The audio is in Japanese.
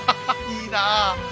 いいなあ！